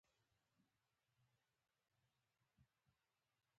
د هغې نوم هم "ننواتې" دے.